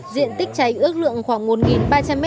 diện tích cháy ước lượng khoảng một ba trăm linh m hai